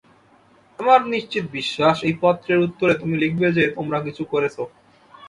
আমার নিশ্চিত বিশ্বাস, এই পত্রের উত্তরে তুমি লিখবে যে, তোমরা কিছু করেছ।